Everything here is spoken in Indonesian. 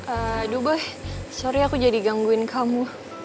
aduh bey sorry aku jadi gangguin kamu